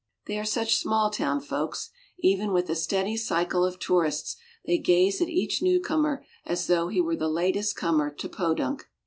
They are such small town folks. Even with the steady cycle of tourists they gaze at each newcomer as though he were the latest comer to Podunk.